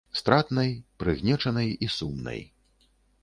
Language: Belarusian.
Стратнай, прыгнечанай і сумнай.